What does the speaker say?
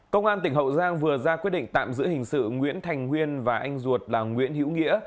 công an tỉnh hậu giang vừa ra quyết định tạm giữ hình sự nguyễn thành nguyên và anh ruột là nguyễn hữu nghĩa